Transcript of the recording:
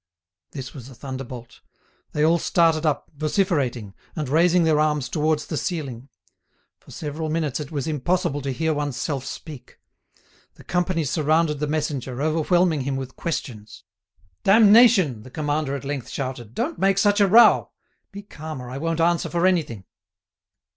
This was a thunderbolt. They all started up, vociferating, and raising their arms towards the ceiling. For several minutes it was impossible to hear one's self speak. The company surrounded the messenger, overwhelming him with questions. "Damnation!" the commander at length shouted, "don't make such a row. Be calm, or I won't answer for anything."